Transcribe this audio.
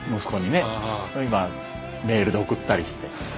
今はメールで送ったりして。